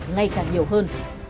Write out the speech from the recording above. ngày càng nhiều hơn